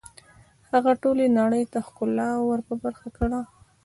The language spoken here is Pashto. هغه ټولې نړۍ ته ښکلا ور په برخه کړه